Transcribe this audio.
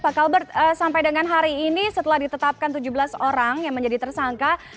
pak kalbert sampai dengan hari ini setelah ditetapkan tujuh belas orang yang menjadi tersangka